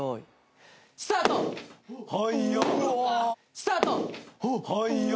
スタート！